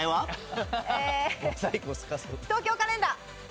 『東京カレンダー』。